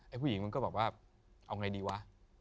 ผู้หญิงมันก็บอกว่าเอาไงดีวะ